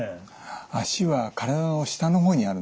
脚は体の下の方にあるんですね。